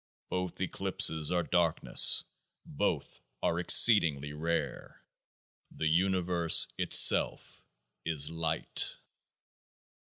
Both eclipses are darkness ; both are exceed ing rare ; the Universe itself is Light.